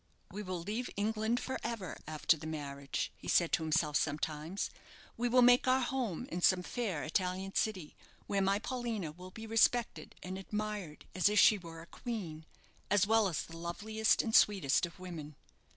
"We will leave England for ever after the marriage," he said to himself sometimes. "We will make our home in some fair Italian city, where my Paulina will be respected and admired as if she were a queen, as well as the loveliest and sweetest of women."